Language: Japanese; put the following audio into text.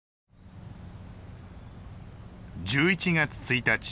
１１月１日。